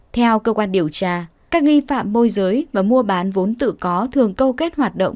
theo cơ quan điều tra các nghi phạm môi giới và mua bán vốn tự có thường câu kết hoạt động